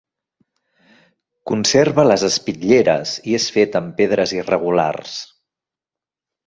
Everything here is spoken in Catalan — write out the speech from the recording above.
Conserva les espitlleres i és fet amb pedres irregulars.